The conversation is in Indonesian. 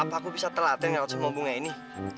apa aku bisa telatain ngelakuin pembunga ini